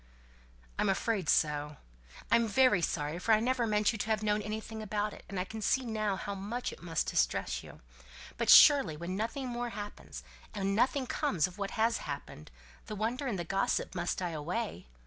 "I'm afraid so. I'm very sorry, for I never meant you to have known anything about it, and I can see now how it must distress you. But surely when nothing more happens, and nothing comes of what has happened, the wonder and the gossip must die away.